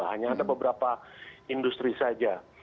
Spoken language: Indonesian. hanya ada beberapa industri saja